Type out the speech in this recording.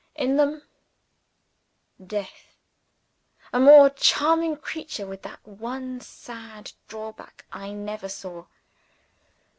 In them death! A more charming creature with that one sad drawback I never saw.